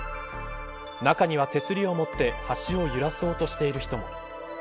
中には手すりを持って橋を揺らそうとしている人も。